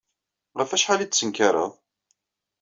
Ɣef wacḥal ay d-tettenkared?